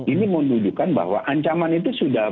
ini menunjukkan bahwa ancaman itu sudah